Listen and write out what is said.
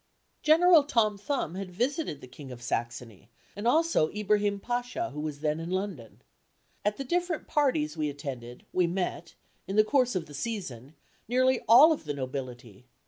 General Tom Thumb had visited the King of Saxony and also Ibrahim Pacha who was then in London. At the different parties we attended, we met, in the course of the season, nearly all of the nobility.